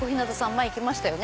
前行きましたよね。